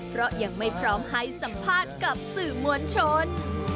เพราะยังไม่พร้อมให้สัมภาษณ์กับสื่อมวลชน